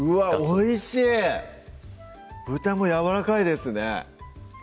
おいしい豚もやわらかいですね